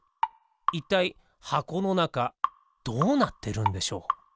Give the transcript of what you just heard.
いったいはこのなかどうなってるんでしょう？